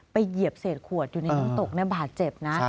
เหยียบเศษขวดอยู่ในน้ำตกบาดเจ็บนะ